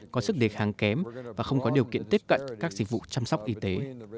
có sức đề kháng kém và không có điều kiện tiếp cận các dịch vụ chăm sóc y tế